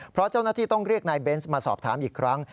เพราะเจ้าหน้าที่ต้องเรียกนายเบนส์มาสอบถามอีกครั้ง